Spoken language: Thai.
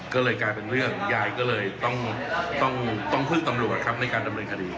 ก็เลยกลายเป็นเรื่องยายก็เลยต้องพึ่งตำรวจครับในการดำเนินคดี